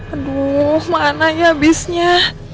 aduh mana ya abisnya